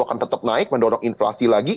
akan tetap naik mendorong inflasi lagi